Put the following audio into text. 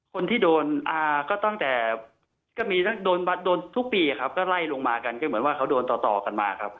คนที่โดนก็ตั้งแต่ก็มีโดนทุกปีครับก็ไล่ลงมากันก็เหมือนว่าเขาโดนต่อต่อกันมาครับ